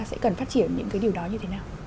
sẽ cần phát triển những cái điều đó như thế nào